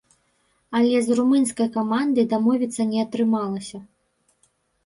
Але з румынскай камандай дамовіцца не атрымалася.